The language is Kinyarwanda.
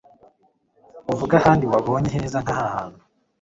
uvuge ahandi wabonye heza nk'aha hantu.